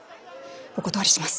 お断りします！